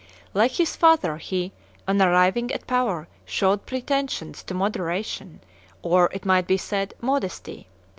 Like his father, he, on arriving at power, showed pretensions to moderation, or, it might be said, modesty.